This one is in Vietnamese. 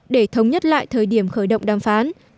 để thống nhất lại thời điểm khởi động đàm phán